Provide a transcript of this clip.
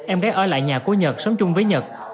em bé ở lại nhà của nhật sống chung với nhật